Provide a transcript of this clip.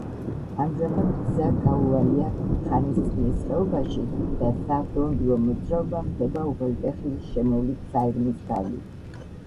ამჟამად გზა გაუვალია ხანისწყლის ხეობაში და საავტომობილო მოძრაობა ხდება უღელტეხილის შემოვლით საირმის გავლით.